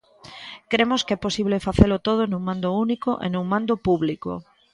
Cremos que é posible facelo todo nun mando único e nun mando público.